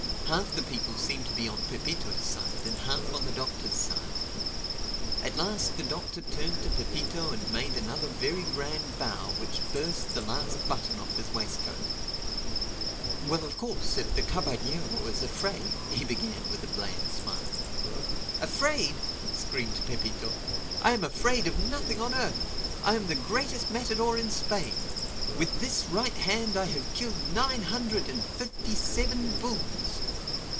Half the people seemed to be on Pepito's side and half on the Doctor's side. At last the Doctor turned to Pepito and made another very grand bow which burst the last button off his waistcoat. [Illustration: "Did acrobatics on the beast's horns"] "Well, of course if the caballero is afraid—" he began with a bland smile. "Afraid!" screamed Pepito. "I am afraid of nothing on earth. I am the greatest matador in Spain. With this right hand I have killed nine hundred and fifty seven bulls."